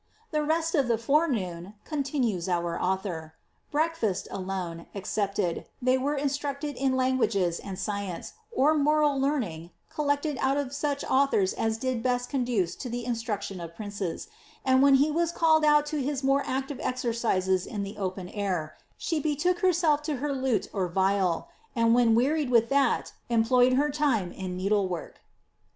^The rest of the forenoon," continues our author, ^ breakfast, alone, excepted, they were instructed in languages and science, or moral learning, collected out of such authors as did best conduce to the instruction of princes, and when be was called out to his more active exercises in the open air, she betook herself to her lute or viol, and when wearied with that, employed her time in needle work."